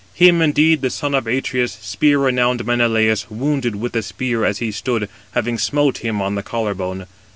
Him indeed the son of Atreus, spear renowned Menelaus, wounded with a spear as he stood, having smote him on the collar bone.